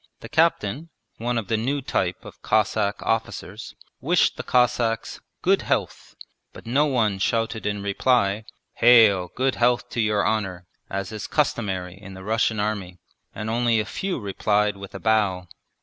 The captain one of the new type of Cossack officers wished the Cossacks 'Good health,' but no one shouted in reply, 'Hail! Good health to your honour,' as is customary in the Russian Army, and only a few replied with a bow.